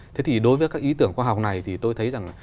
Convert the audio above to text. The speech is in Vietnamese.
thế thì đối với các ý tưởng khoa học này thì tôi thấy rằng